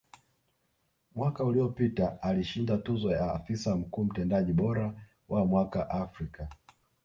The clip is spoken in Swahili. Mwaka uliopita alishinda tuzo ya Afisa Mkuu Mtendaji bora wa Mwaka Afrika